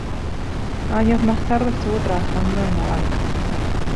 Años más tarde estuvo trabajando en la banca.